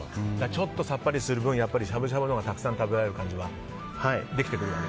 ちょっとさっぱりする分しゃぶしゃぶのほうがたくさん食べられる感じは。